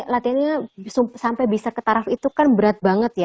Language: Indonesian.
latihannya sampai bisa ke taraf itu kan berat banget ya